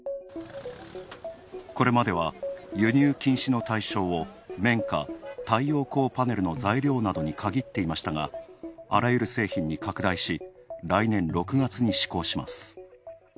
これまでは、輸入禁止の対象を綿花、太陽光パネルの材料などに限っていましたがあらゆる製品に拡大し、来年６月に施行します。